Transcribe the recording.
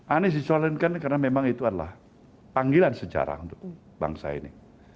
anies dicalonkan karena memang itu adalah panggilan sejarah untuk bangsa ini